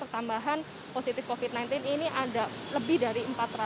ini juga menyelesaikan agitasi penting maroche tragmasim adalah stains opera